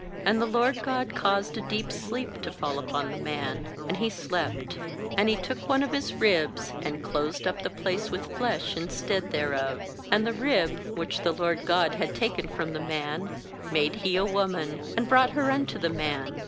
21And the LORD God caused a deep sleep to fall upon the man, and he slept; and He took one of his ribs, and closed up the place with flesh instead thereof. ^And the rib, 'which the LORD God had taken from the man, made He a woman, and brought her unto the man.